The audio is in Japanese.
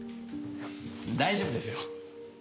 大丈夫ですよ。